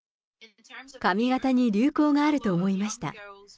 髪形に流行があると思いました。